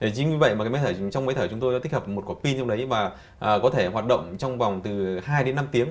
chính vì vậy mà trong máy thở chúng tôi đã tích hợp một quả pin trong đấy và có thể hoạt động trong vòng từ hai đến năm tiếng